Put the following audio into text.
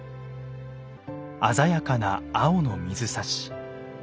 鮮やかな青の水指。